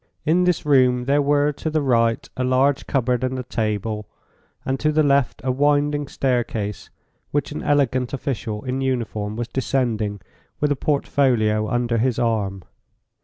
In this room there were to the right a large cupboard and a table, and to the left a winding staircase, which an elegant official in uniform was descending with a portfolio under his arm.